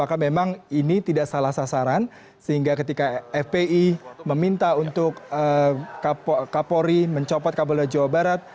apakah memang ini tidak salah sasaran sehingga ketika fpi meminta untuk kapolri mencopot kapolda jawa barat